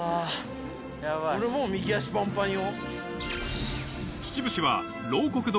俺もう右足パンパンよ。